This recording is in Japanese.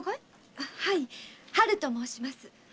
はい“春”と申します。